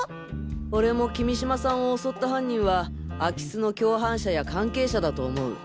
俺も君島さんを襲った犯人は空き巣の共犯者や関係者だと思う。